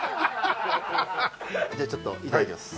じゃあちょっといただきます。